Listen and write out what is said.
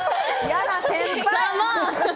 嫌な先輩。